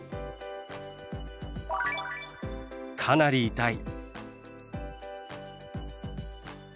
「かなり痛い」。